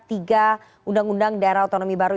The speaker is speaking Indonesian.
tiga undang undang daerah otonomi baru